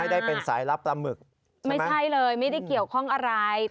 ได้เป็นสายลับปลาหมึกไม่ใช่เลยไม่ได้เกี่ยวข้องอะไร